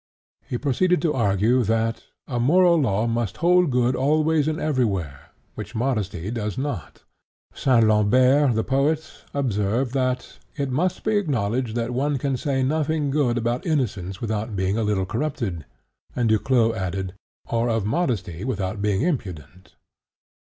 He proceeded to argue that "a moral law must hold good always and everywhere, which modesty does not." Saint Lambert, the poet, observed that "it must be acknowledged that one can say nothing good about innocence without being a little corrupted," and Duclos added "or of modesty without being impudent."